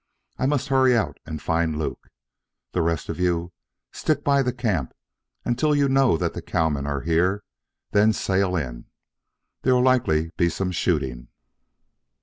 I must hurry out and find Luke. The rest of you stick by the camp until you know that the cowmen are here; then sail in. There'll likely be some shooting."